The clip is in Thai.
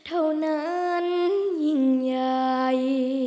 เท่านั้นยิ่งใหญ่